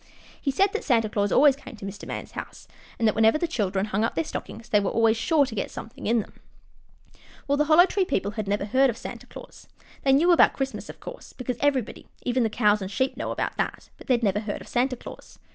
He said that Santa Claus always came to Mr. Man's house, and that whenever the children hung up their stockings they were always sure to get something in them. [Illustration: MR. CROW HE MADE HIMSELF A NEW PAIR ON PURPOSE.] Well, the Hollow Tree people had never heard of Santa Claus. They knew about Christmas, of course, because everybody, even the cows and sheep, know about that, but they had never heard of Santa Claus.